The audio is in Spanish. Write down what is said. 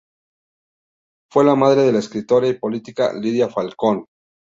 Fue la madre de la escritora y política Lidia Falcón.